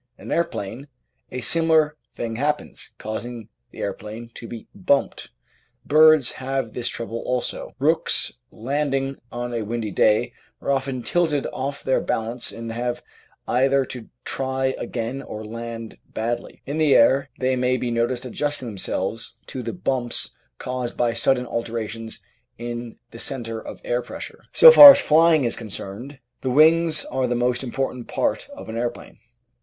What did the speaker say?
In an aeroplane a similar thing happens, causing the aeroplane to be "bumped." Birds have this trouble also. Rooks landing 852 The Outline of Science on a windy day are often tilted off their balance and have either to try again or "land" badly. In the air they may be noticed adjusting themselves tc the "bumps" caused by sudden altera tions in the centre of air pressure. So far as flying is concerned, the wings are the most im portant part of an aeroplane.